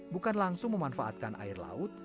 bukan langsung memanfaatkan air laut